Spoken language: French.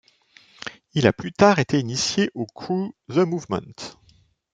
Il a plus tard été initié au crew The Movement.